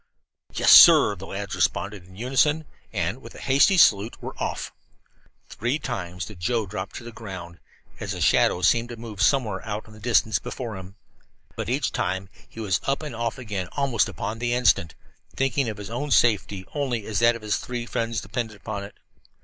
"Yes, sir," the lads responded in unison, and, with a hasty salute, were off. Three times did Joe drop to the ground, as a shadow seemed to move somewhere out in the distance before him. But each time he was up and off again almost upon the instant, thinking of his own safety only as that of his three friends depended upon it.